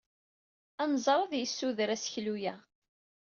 Anẓar ad d-yessudder aseklu-a.